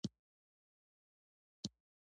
د چراغونو څراغونه باید تل کار وکړي.